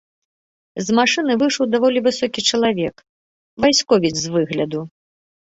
З машыны выйшаў даволі высокі чалавек, вайсковец з выгляду.